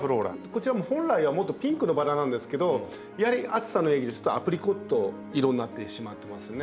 こちらは本来はもっとピンクのバラなんですけどやはり暑さの影響でちょっとアプリコット色になってしまってますね。